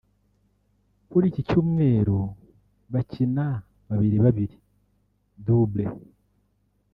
Kuri iki cyumweru bakina babiri babiri (double)